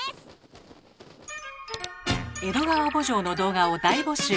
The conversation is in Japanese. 「江戸川慕情」の動画を大募集。